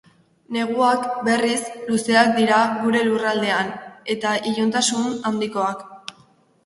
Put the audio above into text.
Neguak, berriz, luzeak dira gure lurraldean, eta iluntasun handikoak.